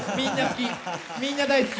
みんな好き。